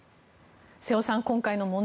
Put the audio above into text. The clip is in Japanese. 瀬尾さん、今回の問題